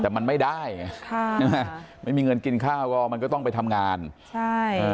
แต่มันไม่ได้ไงค่ะใช่ไหมไม่มีเงินกินข้าวก็มันก็ต้องไปทำงานใช่เออ